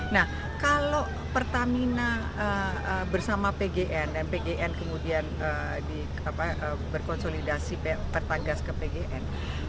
nah kalau pertamina bersama pgn dan pgn kemudian berkonsolidasi pertagas ke pgn